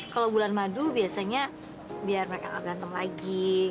kalau bulan madu biasanya biar mereka nggak berantem lagi